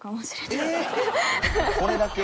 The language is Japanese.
これだけ？